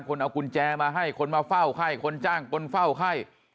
คนเอากุญแจมาให้คนมาเฝ้าไข้คนจ้างคนเฝ้าไข้